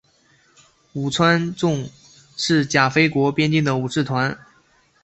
武川众是甲斐国边境的武士团。